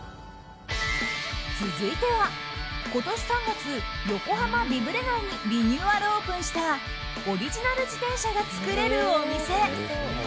続いては、今年３月横浜ビブレ内にリニューアルオープンしたオリジナル自転車が作れるお店。